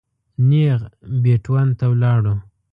نېغ بېټ ون ته ولاړو.